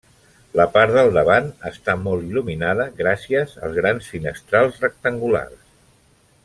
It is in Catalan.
La part del davant està molt il·luminada gràcies als grans finestrals rectangulars.